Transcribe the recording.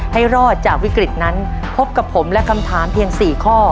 ให้รอดจากวิกฤตนั้นพบกับผมและคำถามเพียง๔ข้อ